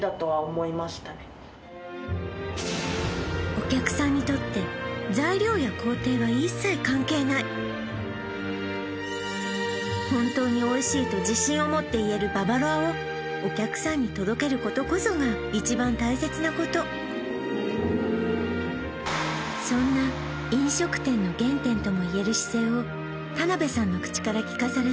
お客さんにとって材料や工程は一切関係ない本当においしいと自信を持っていえるババロアをお客さんに届けることこそが一番大切なことそんな飲食店の原点ともいえる姿勢を田辺さんの口から聞かされ